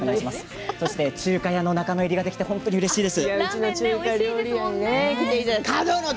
そして中華屋の仲間入りができてうれしいです。